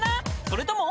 それとも？］